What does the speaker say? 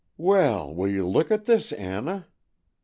Well, will you look at this, Anna?"